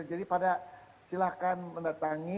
jadi pada silahkan mendatangi